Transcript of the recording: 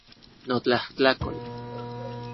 Notlajtlakol